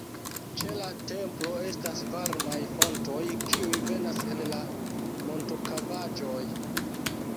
Ĉe la templo estas varmaj fontoj kiuj venas el la montokavaĵoj.